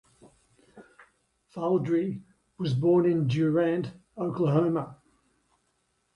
Faudree was born in Durant, Oklahoma.